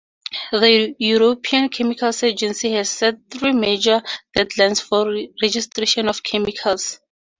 The European Chemicals Agency has set three major deadlines for registration of chemicals.